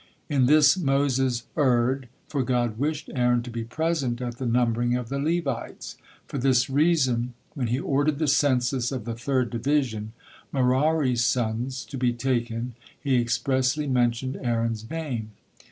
In this Moses erred, for God wished Aaron to be present at the numbering of the Levites. For this reason, when He ordered the census of the third division, Merari's sons, to be taken, He expressly mentioned Aaron's name.